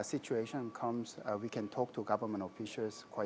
kita bisa berbicara dengan para pegawai